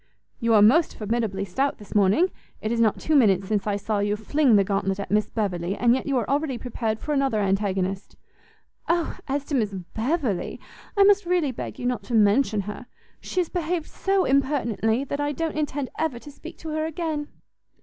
"You are most formidably stout this morning! it is not two minutes since I saw you fling the gauntlet at Miss Beverley, and yet you are already prepared for another antagonist." "O as to Miss Beverley, I must really beg you not to mention her; she has behaved so impertinently, that I don't intend ever to speak to her again."